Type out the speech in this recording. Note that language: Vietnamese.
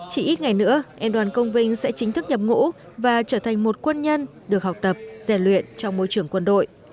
chỉ ít ngày nữa em đoàn công binh sẽ chính thức nhập ngũ và trở thành một quân nhân được học tập rèn luyện trong môi trường quân đội